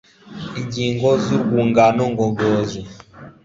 ingingo zurwungano ngogozi